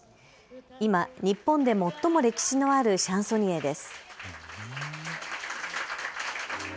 今、日本で最も歴史のあるシャンソニエです。